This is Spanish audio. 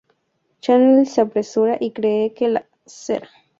Chanel se apresura y cree que la Sra.